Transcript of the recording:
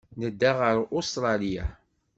Nedda ɣer Ustṛalya.